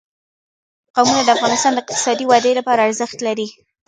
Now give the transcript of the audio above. قومونه د افغانستان د اقتصادي ودې لپاره ارزښت لري.